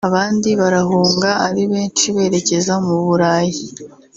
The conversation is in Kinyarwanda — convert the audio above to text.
abandi barahunga ari benshi berekeza mu Burayi